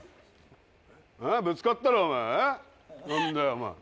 ぶつかったろお前あぁ？